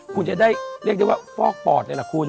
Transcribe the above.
คุณจะได้เรียกได้ว่าฟอกปอดเลยล่ะคุณ